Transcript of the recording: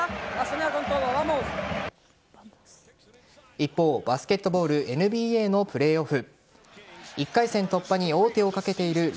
一方、バスケットボールＮＢＡのプレーオフ。